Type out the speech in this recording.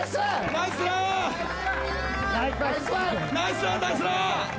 ナイスランナイスラン。